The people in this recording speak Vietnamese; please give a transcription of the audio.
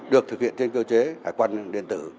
được thực hiện trên cơ chế hải quan điện tử